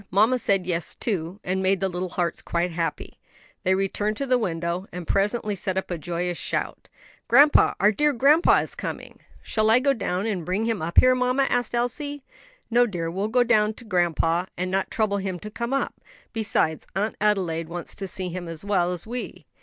Mamma said yes, too, and made the little hearts quite happy. They returned to the window, and presently sent up a joyous shout. "Grandpa, our dear grandpa, is coming!" "Shall I go down and bring him up here, mamma?" asked Elsie. "No, dear, we will go down to grandpa, and not trouble him to come up. Besides, Aunt Adelaide wants to see him as well as we."